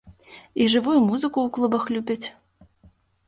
І жывую музыку ў клубах любяць.